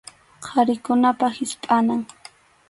Qharikunapa hispʼanan.